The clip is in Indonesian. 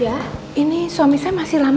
iya ini suami saya masih lama gak